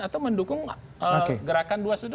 atau mendukung gerakan dua ratus dua belas